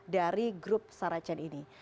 dari grup sarah chen ini